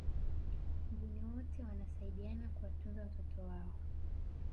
mbuni wote wanasaidiana kuwatunza watoto wao